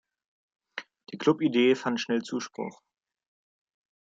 Die Club-Idee fand schnell Zuspruch.